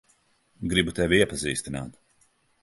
Gribu tevi iepazīstināt.